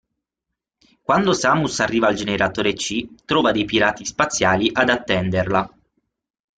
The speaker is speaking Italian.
Quando Samus arriva al Generatore C, trova dei Pirati Spaziali ad attenderla.